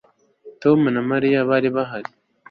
Tom na Mariya bari bahari